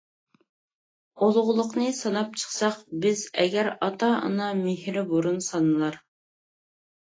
ئۇلۇغلۇقنى ساناپ چىقساق بىز ئەگەر، ئاتا-ئانا مېھرى بۇرۇن سانىلار.